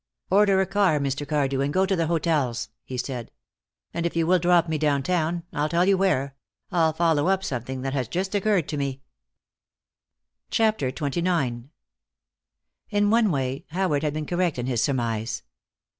"Order a car, Mr. Cardew, and go to the hotels," he said. "And if you will drop me downtown I'll tell you where I'll follow up something that has just occurred to me." CHAPTER XXIX In one way Howard had been correct in his surmise.